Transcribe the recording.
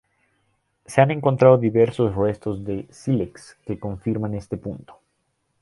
Se han encontrado diversos restos de sílex que confirman este punto.